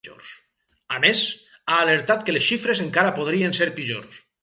A més, ha alertat que les xifres encara podrien ser pitjors.